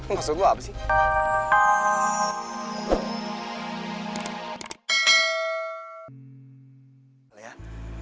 maksud gue apa sih